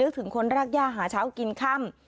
ถึงคนรากย่าหาเช้ากินค่ำ